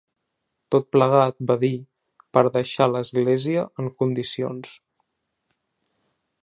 Tot plegat, va dir, «per deixar l’església en condicions».